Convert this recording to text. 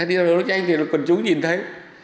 đi đầu đấu tranh thì là quần chúng nhìn thấy